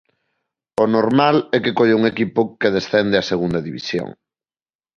O normal é que colla un equipo que descende a Segunda División.